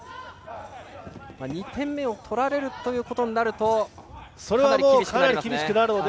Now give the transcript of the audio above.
２点目を取られるということになるとかなり厳しくなりますね。